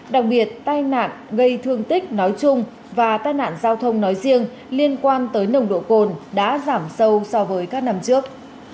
đặc biệt tai nạn gây thương tích nói chung và tai nạn giao thông nói riêng liên quan tới nồng độ cồn đã giảm sâu so với các năm trước